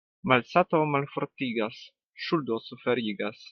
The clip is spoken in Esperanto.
Malsato malfortigas, ŝuldo suferigas.